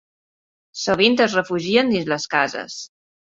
Sovint es refugien dins les cases.